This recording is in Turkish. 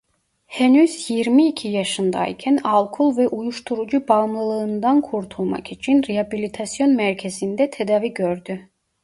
Henüz yirmi iki yaşındayken alkol ve uyuşturucu bağımlılığından kurtulmak için rehabilitasyon merkezinde tedavi gördü.